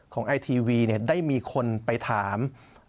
ไอทีวีได้มีคนไปถาม